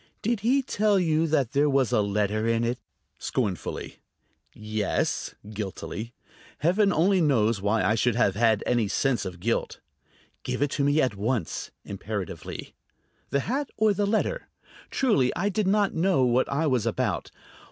"Did he tell you that there was a letter in it?" scornfully. "Yes," guiltily. Heaven only knows why I should have had any sense of guilt. "Give it to me at once," imperatively. "The hat or the letter?" Truly, I did not know what I was about.